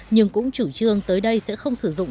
nhưng cũng chủ trương tới đây sẽ không sử dụng